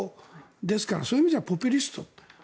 ですからそういう意味じゃポピュリスト。